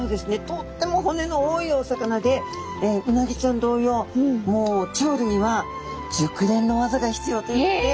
とっても骨の多いお魚でウナギちゃん同様もう調理には熟練のわざが必要ということで。